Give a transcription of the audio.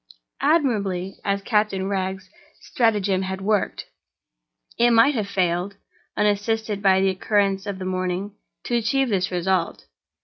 Admirably as Captain Wragge's stratagem had worked, it might have failed—unassisted by the occurrence of the morning—to achieve this result.